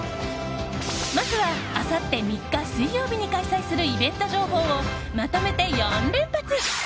まずはあさって３日、水曜日に開催するイベント情報をまとめて４連発。